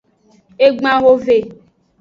Egban hove.